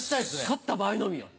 勝った場合のみよ。